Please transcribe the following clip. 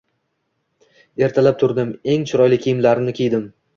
Ertalab turdim, eng chiroyli kiyimlarimni kiydim.